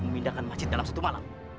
memindahkan masjid dalam satu malam